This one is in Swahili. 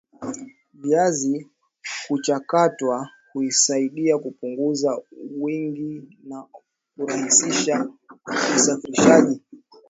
viazi vikichakatwa husaidia Kupunguza uwingi na kurahisisha usafirishaji